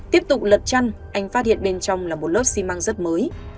tiếp tục lật chăn anh phát hiện bên trong là một lớp xi măng rất mới